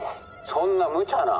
「そんなむちゃな！」。